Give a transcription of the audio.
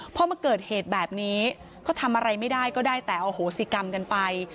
พอมาเกิดเหตุแบบนี้ก็ทำอะไรไม่ได้ก็ได้แต่อโหสิกรรมกันไป